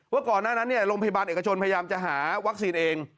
ก่อนหน้านั้นโรงพยาบาลเอกชนพยายามจะหาวัคซีนเอง